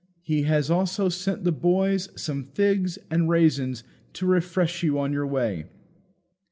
He has also sent the boys some figs and raisins to refresh you on your way."